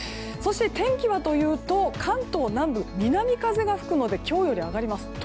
そして天気はというと関東南部南風が吹くので今日より上がります。